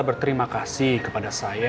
berterima kasih kepada saya